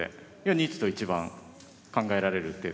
２一と一番考えられる手という。